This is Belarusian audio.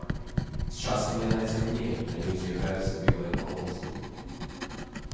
З часам яна цямнее, на ёй з'яўляюцца белыя палосы.